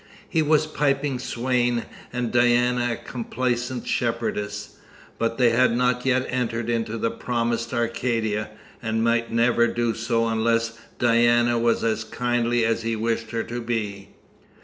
He was a piping swain and Diana a complaisant shepherdess; but they had not yet entered into the promised Arcadia, and might never do so unless Diana was as kindly as he wished her to be.